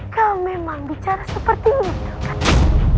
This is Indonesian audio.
kau memang bicara seperti itu kan